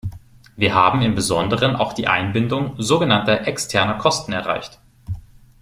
Wir haben im Besonderen auch die Einbindung so genannter externer Kosten erreicht.